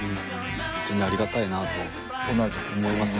ホントにありがたいなと思います。